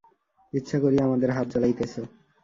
ইচ্ছা করিয়া আমাদের হাড় জ্বালাইতেছ।